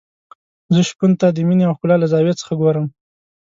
زه شپون ته د مينې او ښکلا له زاویې څخه ګورم.